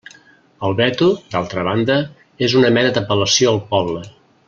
El veto, d'altra banda, és una mena d'apel·lació al poble.